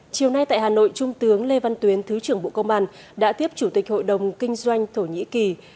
chiều nay tại hà nội trung tướng lê văn tuyến thứ trưởng bộ công an đã tiếp chủ tịch hội đồng kinh doanh thổ nhĩ kỳ